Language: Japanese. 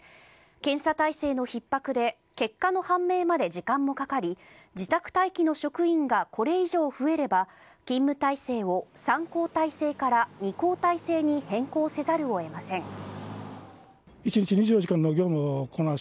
検査体制のひっ迫で結果の判明まで時間もかかり自宅待機の職員がこれ以上増えれば勤務体制を３交代制から２交代制に変更せざるを得ません。